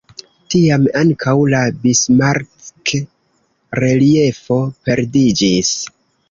Tiam ankaŭ la Bismarck-reliefo perdiĝis.